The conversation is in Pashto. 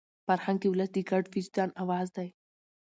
فرهنګ د ولس د ګډ وجدان اواز دی.